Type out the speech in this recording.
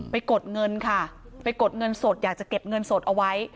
กดเงินค่ะไปกดเงินสดอยากจะเก็บเงินสดเอาไว้